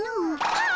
あっ。